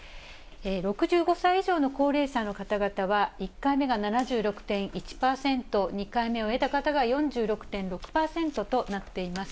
６５歳以上の高齢者の方々は、１回目が７６．１％、２回目を終えた方が４６．６％となっています。